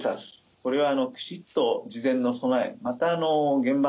これはきちっと事前の備えまた現場の対策